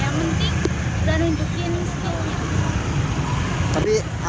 yang penting sudah menunjukin setiap